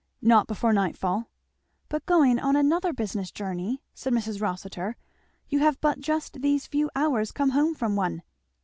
"Not before night fall." "But going on another business journey!" said Mrs. Rossitur. "You have but just these few hours come home from one."